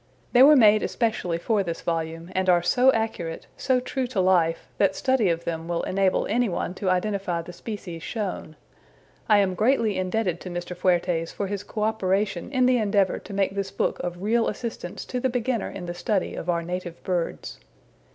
They were made especially for this volume and are so accurate, so true to life, that study of them will enable any one to identify the species shown. I am greatly indebted to Mr. Fuertes for his cooperation in the endeavor to make this book of real assistance to the beginner in the study of our native birds.